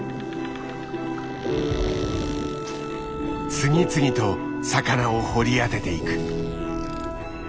次々と魚を掘り当てていく。